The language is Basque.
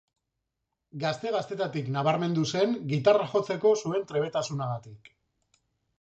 Gazte-gaztetatik nabarmendu zen gitarra jotzeko zuen trebetasunagatik.